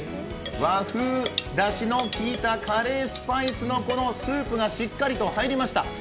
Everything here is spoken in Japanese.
和風だしのきいたカレースパイスのこのスープがしっかりと入りました。